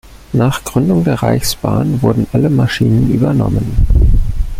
Nach Gründung der Reichsbahn wurden alle Maschinen übernommen.